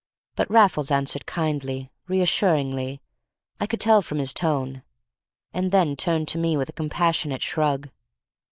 But Raffles answered kindly, reassuringly, I could tell from his tone, and then turned to me with a compassionate shrug.